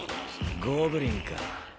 ゴブリンか。